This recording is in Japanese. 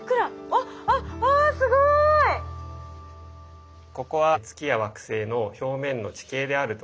あっあっあすごい！へえ。